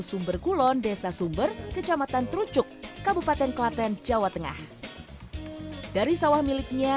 sumber kulon desa sumber kecamatan terucuk kabupaten klaten jawa tengah dari sawah miliknya